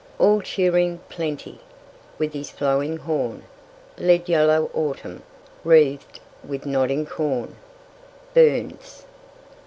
"All cheering Plenty, with his flowing horn, Led yellow Autumn, wreathed with nodding corn." Burns.